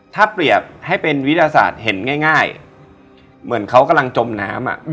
ถ้าเปรียบให้เป็นวิทยาศาสตร์เห็นง่ายเหมือนเขากำลังจมน้ำ